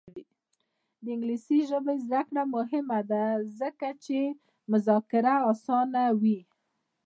د انګلیسي ژبې زده کړه مهمه ده ځکه چې مذاکره اسانوي.